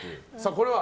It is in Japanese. これは？